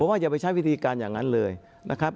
ว่าอย่าไปใช้วิธีการอย่างนั้นเลยนะครับ